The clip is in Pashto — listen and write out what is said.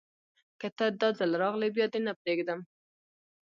که ته، داځل راغلي بیا دې نه پریږدم